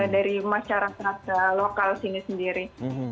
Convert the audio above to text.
dari masyarakat lokal sini sendiri